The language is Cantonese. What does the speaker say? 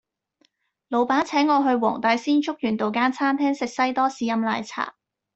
老闆請我去黃大仙竹園道間餐廳食西多士飲奶茶